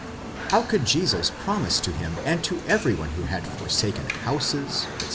—how could Jesus promise to him and to every one who had for saken houses, etc.